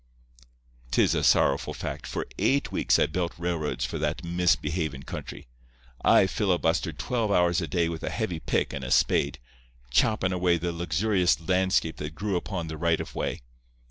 "'Tis a sorrowful fact, for eight weeks I built railroads for that misbehavin' country. I filibustered twelve hours a day with a heavy pick and a spade, choppin' away the luxurious landscape that grew upon the right of way.